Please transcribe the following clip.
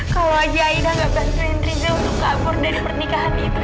kalau aja aida nggak bantuin riza untuk kabur dari pernikahan itu